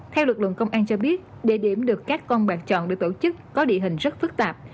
theo lực lượng công an cho biết địa điểm được các con bạc chọn để tổ chức có địa hình rất phức tạp